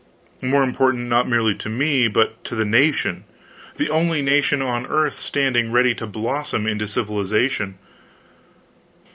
More important, not merely to me, but to the nation the only nation on earth standing ready to blossom into civilization.